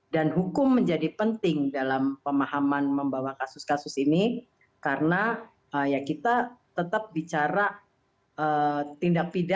dan hukum menjadi penting dalam pemahaman membawa kasus kasus ini karena kita tetap bicara tindak pidana